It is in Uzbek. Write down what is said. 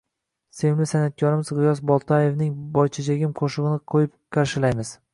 Sevimli sanʼatkorimiz Gʻiyos Boytoyevning “Boychechagim” qoʻshigʻini qoʻyib qarshilaymiz.